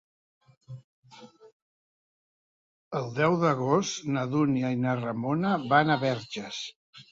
El deu d'agost na Dúnia i na Ramona van a Verges.